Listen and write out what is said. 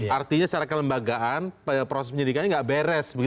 artinya secara kelembagaan proses penyidikannya nggak beres